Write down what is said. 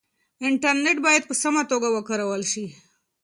انټرنټ بايد په سمه توګه وکارول شي.